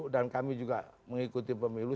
dan kami juga mengikuti pemilu